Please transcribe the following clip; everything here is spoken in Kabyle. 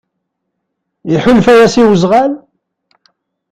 Iḥulfa-yas i wezɣal?